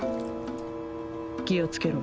気をつけろ。